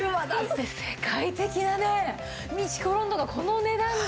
世界的なねミチコロンドンがこの値段で。